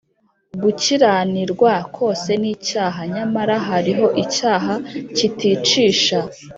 Gukiranirwa kose ni icyaha, nyamara hariho icyaha kiticisha.